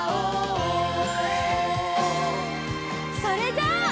それじゃあ。